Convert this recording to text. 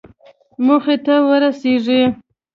موخې ته ورسېږئ